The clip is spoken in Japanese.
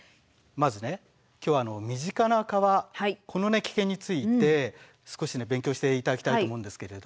まず今日は身近な川この危険について少し勉強して頂きたいと思うんですけれども。